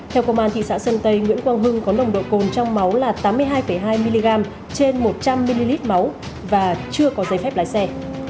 theo công an thị xã sơn tây nguyễn quang hưng có nồng độ cồn trong máu là tám mươi hai hai mg trên một trăm linh ml máu và chưa có giấy phép lái xe